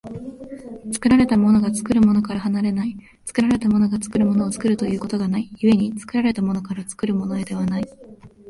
作られたものが作るものから離れない、作られたものが作るものを作るということがない、故に作られたものから作るものへではない。